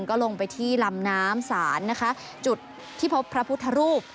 ก็ลงไปที่ลำน้ำศาลนะคะจุดที่พบพระพุทธรูป